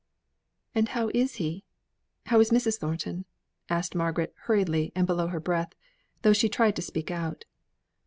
"And how is he? How is Mrs. Thornton?" asked Margaret hurriedly and below her breath, though she tried to speak out.